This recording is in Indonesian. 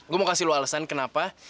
gua mau kasih lo alesan kenapa